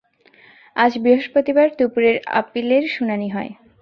আজ বৃহস্পতিবার দুপুরে আপিলের শুনানি হয়।